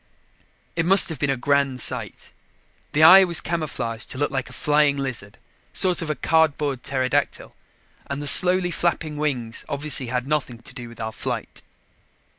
It must have been a grand sight. The eye was camouflaged to look like a flying lizard, sort of a cardboard pterodactyl, and the slowly flapping wings obviously had nothing to do with our flight.